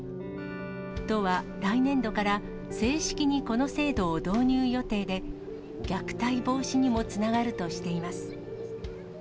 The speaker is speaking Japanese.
都は来年度から、正式にこの制度を導入予定で、虐待防止にもつながるとしています。